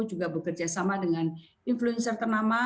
juga bekerjasama dengan influencer ternama